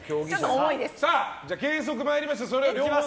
計測参りましょう。